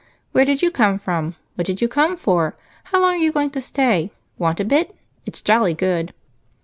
Where did you come from? What did you come for? How long are you going to stay? Want a bit? It's jolly good."